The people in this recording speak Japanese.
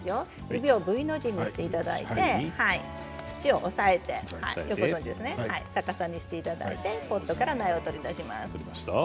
指をＶの字にしていただいて土を押さえて逆さにしてポットから苗を取り出します。